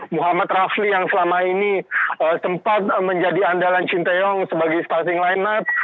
muhammad rafli yang selama ini sempat menjadi andalan shin taeyong sebagai starting line up